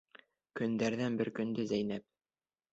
Көндәрҙән бер көндө Зәйнәп: